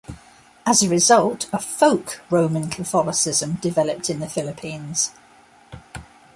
As a result, a folk Roman Catholicism developed in the Philippines.